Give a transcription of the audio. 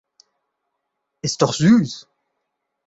Ist doch süß!